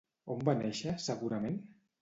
On va néixer, segurament?